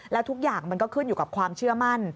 แล้วทุกอย่างมันก็ขึ้นอยู่กับความเชื่อมั่น